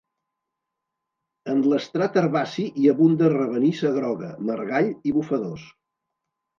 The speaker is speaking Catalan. En l'estrat herbaci hi abunda ravenissa groga, margall i bufadors.